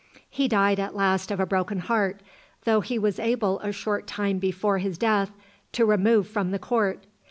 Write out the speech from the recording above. He died at last of a broken heart, though he was able a short time before his death to remove from the court.